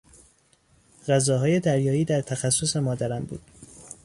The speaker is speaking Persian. غذاهای دریایی در تخصص مادرم بود.